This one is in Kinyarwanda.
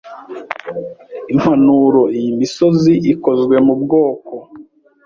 Impanuro Iyi misozi ikozwe mubwoko